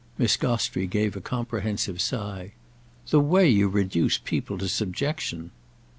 Miss Gostrey gave a comprehensive sigh. "The way you reduce people to subjection!"